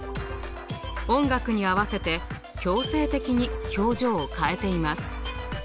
音楽に合わせて強制的に表情を変えています。